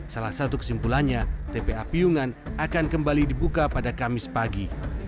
salah satu kesimpulannya tpa piyungan akan kembali dibuka pada kamis pagi